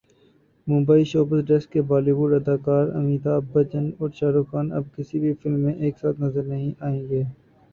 Mumbai showbiz desk Bollywood اداکار امیتابھ بچن اور شاہ رخ خان اب کسی بھی فلم میں ایک ساتھ نظر نہیں آئیں گے